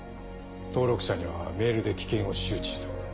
登録者にはメールで危険を周知しておく。